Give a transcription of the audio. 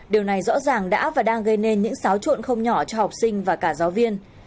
điều này rõ ràng đã và đang gây nên những xáo trộn không nhỏ cho học sinh và cả giáo viên